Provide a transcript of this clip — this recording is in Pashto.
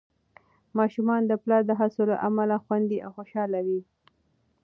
ماشومان د پلار د هڅو له امله خوندي او خوشحال وي.